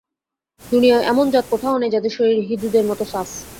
দুনিয়ার এমন জাত কোথাও নেই যাদের শরীর হিঁদুদের মত সাফ।